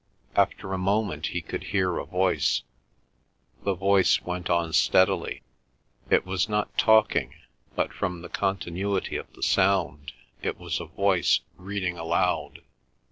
After a moment he could hear a voice. The voice went on steadily; it was not talking, but from the continuity of the sound it was a voice reading aloud.